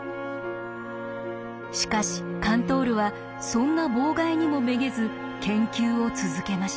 しかしカントールはそんな妨害にもめげず研究を続けました。